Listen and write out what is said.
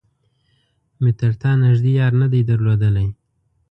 مې تر تا نږدې يار نه دی درلودلی.